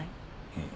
うん。